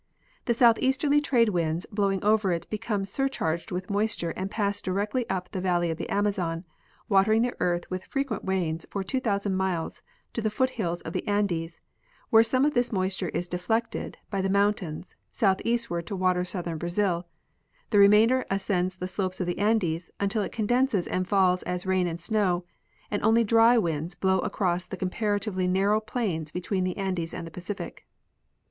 The southeasterly trade winds blowing over it become surcharged with moisture and pass directly up the valley of the Amazon, watering the earth with frequent rains for 2,000 miles to the foot hills of the Andes, where some of this moisture is deflected by the moun tains southeastward to water southern Brazil; the remainder ascends the slopes of the Andes until it is condensed and falls as rain and snow, and only dry winds blow across the compara tively narrow plains between the Andes and the Pacific.